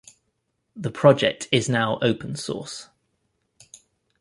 The project is now open source.